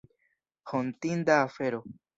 Hontinda afero.